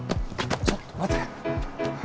ちょっと待て。